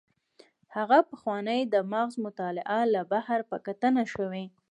ځکه پخوانۍ د مغز مطالعه له بهر په کتنه شوې.